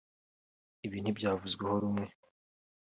Ibi ntibyavuzweho rumwe